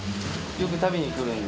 よく食べに来るんで。